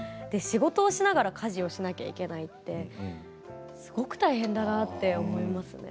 仕事をしながら家事をしなければいけないってすごく大変だなと思います。